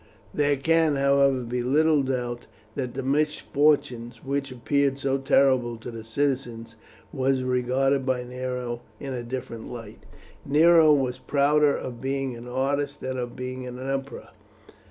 There can, however, be little doubt that the misfortune which appeared so terrible to the citizens was regarded by Nero in a different light. Nero was prouder of being an artist than of being an emperor.